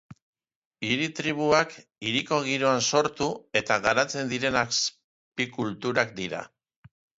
Hiri-tribuak hiriko giroan sortu eta garatzen diren azpikulturak dira.